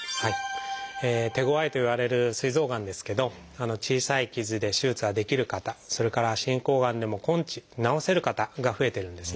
手ごわいといわれるすい臓がんですけど小さい傷で手術ができる方それから進行がんでも根治治せる方が増えてるんですね。